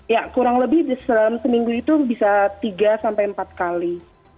ya kurang lebih dalam seminggu itu bisa tiga sampai empat kali